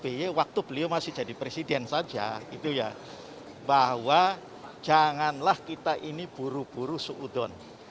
pak sby waktu beliau masih jadi presiden saja itu ya bahwa janganlah kita ini buru buru seudon